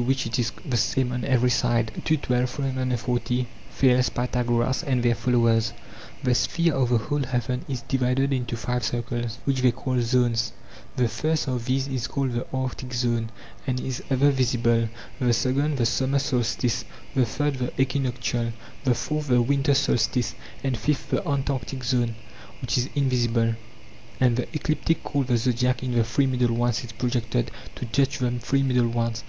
which it is the same on every side. ii. 12; 340. Thales, Pythagoras, and their followers: The sphere of the whole heaven is divided into five circles, which they call zones; the first of these is called the arctic zone and is ever visible ; the second the summer solstice, the third the equinoctial, the fourth the winter solstice, and fifth the antarctic zone, which is invisible. And the ecliptic called the zodiac in the three middle ones is projected to touch the three middle ones.